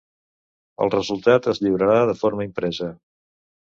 El resultat es lliurarà de forma impresa.